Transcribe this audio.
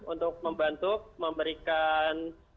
untuk membantu memberikan